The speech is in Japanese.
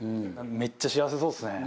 めっちゃ幸せそうですね。